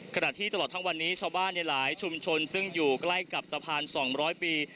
ขณะที่ตลอดทั้งวันนี้ชาวบ้านในหลายชุมชนซึ่งอยู่ใกล้กับสะพาน๒๐๐ปี